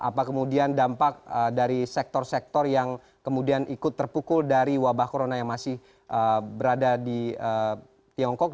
apa kemudian dampak dari sektor sektor yang kemudian ikut terpukul dari wabah corona yang masih berada di tiongkok